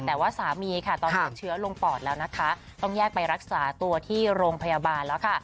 แต่ว่าสามีค่ะตอนนี้เชื้อลงปอดแล้วนะคะต้องแยกไปรักษาตัวที่โรงพยาบาลแล้วค่ะ